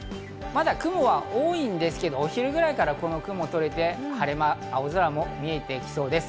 まだ雲は多いんですけど、お昼ぐらいから雲が取れて青空も見えてきそうです。